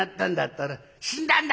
ったら『死んだんだ』